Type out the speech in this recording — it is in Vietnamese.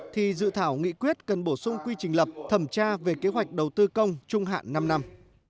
thì dự thảo nghị quyết cần bổ sung quy trình lập thẩm tra về kế hoạch đầu tư công trung hạn năm năm